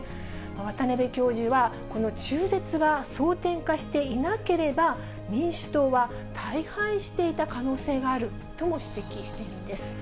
渡辺教授は、この中絶が争点化していなければ、民主党は大敗していた可能性があるとも指摘しているんです。